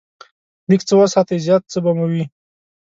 لږ څه وساتئ، زیات څه به مو وي.